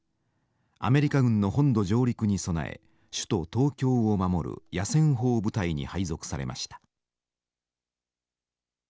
アメリカ軍の本土上陸に備え首都東京を守る野戦砲部隊に配属されました。